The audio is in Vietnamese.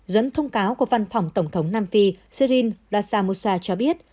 dẫn thông cáo của văn phòng tổng thống nam phi serine ramaphosa cho biết